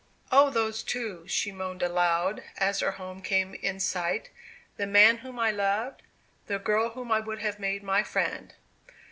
"Oh those two!" she moaned aloud, as her home came in sight. "The man whom I loved the girl whom I would have made my friend!"